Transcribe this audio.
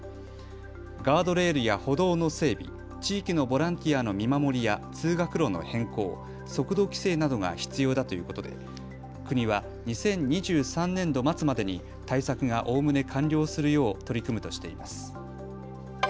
ガードレールや歩道の整備、地域のボランティアの見守りや通学路の変更、速度規制などが必要だということで国は２０２３年度末までに対策がおおむね完了するよう取り組むとしています。